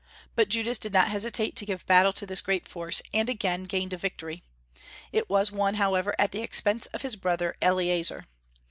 But Judas did not hesitate to give battle to this great force, and again gained a victory. It was won, however, at the expense of his brother Eleazer.